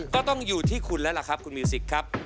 ก็ต้องอยู่ที่คุณแล้วล่ะครับคุณมิวสิกครับ